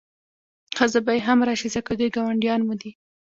ښځه به یې هم راشي ځکه دوی ګاونډیان مو دي.